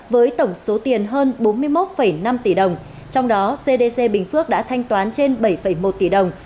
với tổng số tiền hơn bốn mươi một năm tỷ đồng trong đó cdc bình phước đã thanh toán trên bảy một tỷ đồng